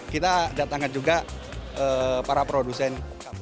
kita datangkan juga para produsen